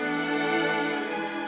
saya jatuh pungg comman